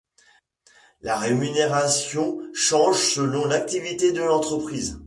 La rémunération change selon l'activité de l'entreprise.